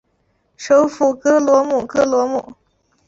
首府戈罗姆戈罗姆。